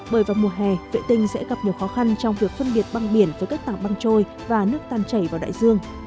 bởi vào mùa hè vệ tinh sẽ gặp nhiều khó khăn trong việc phân biệt băng biển với các tảng băng trôi và nước tan chảy vào đại dương